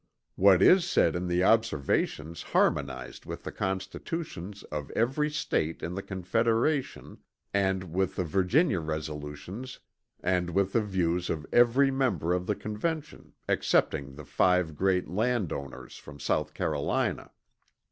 What is said in the Observations harmonized with the constitutions of every State in the Confederation and with the Virginia resolutions and with the views of every member of the Convention excepting the five great land owners from South Carolina.